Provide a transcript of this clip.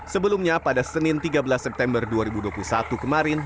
sebelumnya pada senin tiga belas september dua ribu dua puluh satu kemarin